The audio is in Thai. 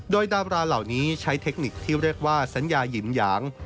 โดยดาบราเหล่านี้ใช้เทคนิคที่เรียกว่าสัญญาหิมหยาง